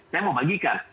saya mau bagikan